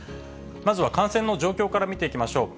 まずは感染の状況から見ていきましょう。